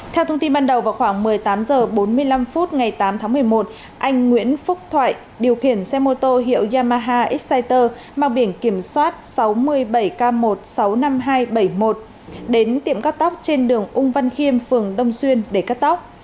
theo thông tin ban đầu vào khoảng một mươi tám h bốn mươi năm phút ngày tám tháng một mươi một anh nguyễn phúc thoại điều khiển xe mô tô hiệu yamaha exciter mang biển kiểm soát sáu mươi bảy k một trăm sáu mươi năm nghìn hai trăm bảy mươi một đến tiệm cắt tóc trên đường ung văn khiêm phường đông xuyên để cắt tóc